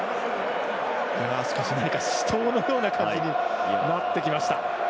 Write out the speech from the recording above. しかし死闘のようなことになってきました。